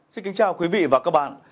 xin kính chào quý vị và các bạn